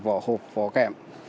vỏ hộp vỏ kẹm